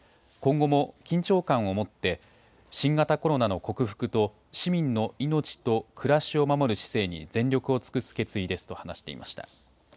今後も緊張感を持って新型コロナの克服と、市民の命と暮らしを守る市政に全力を尽くす決意ですと話していました。